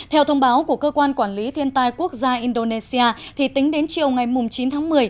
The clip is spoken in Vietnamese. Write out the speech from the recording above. theo thông báo của cơ quan quản lý thiên tai quốc gia indonesia tính đến chiều ngày chín tháng một mươi